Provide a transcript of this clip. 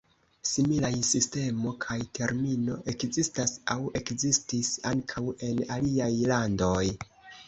Similaj sistemo kaj termino ekzistas aŭ ekzistis ankaŭ en aliaj landoj.